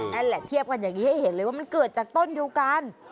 นั่นแหละเทียบกันอย่างนี้ให้เห็นเลยว่ามันเกิดจากต้นเดียวกัน